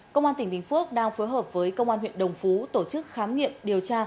công an tỉnh bình phước đang phối hợp với công an huyện đồng phú tổ chức khám nghiệm